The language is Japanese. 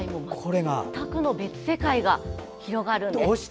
全くの別世界が広がるんです。